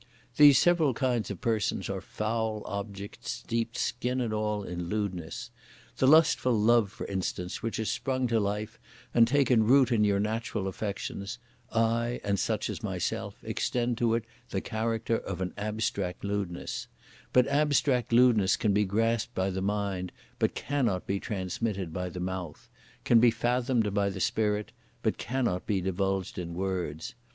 These several kinds of persons are foul objects steeped skin and all in lewdness. The lustful love, for instance, which has sprung to life and taken root in your natural affections, I and such as myself extend to it the character of an abstract lewdness; but abstract lewdness can be grasped by the mind, but cannot be transmitted by the mouth; can be fathomed by the spirit, but cannot be divulged in words.